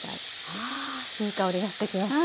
あいい香りがしてきました。